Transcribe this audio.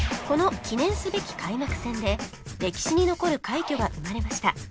この記念すべき開幕戦で歴史に残る快挙が生まれました